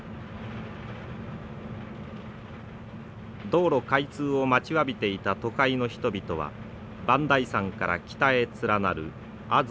道路開通を待ちわびていた都会の人々は磐梯山から北へ連なる吾妻